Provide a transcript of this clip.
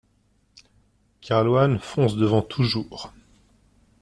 Kerlouan, fonce devant toujours.